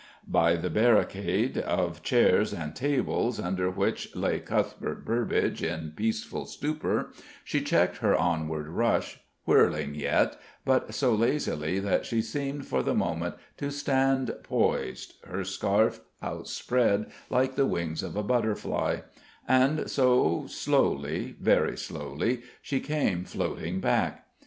_" By the barricade of chairs and tables, under which lay Cuthbert Burbage in peaceful stupor, she checked her onward rush, whirling yet, but so lazily that she seemed for the moment to stand poised, her scarf outspread like the wings of a butterfly: and so, slowly, very slowly, she came floating back.